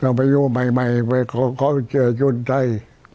เราไปอยู่ใหม่เขาเจอชุนใจ